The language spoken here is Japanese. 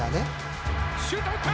シュート打った！